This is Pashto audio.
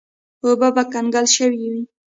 اوبه به کنګل شوې وې.